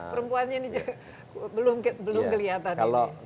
perempuannya ini belum kelihatan